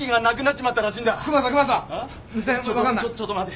ちょっとちょっと待て。